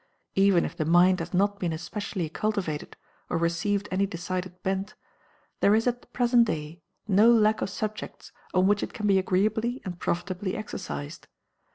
Even if the mind has not been especially cultivated, or received any decided bent, there is at the present day no lack of subjects on which it can be agreeably and profitably exercised.